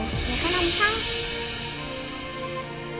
ya kan om sal